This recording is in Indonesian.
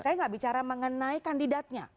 saya gak bicara mengenai kandidatnya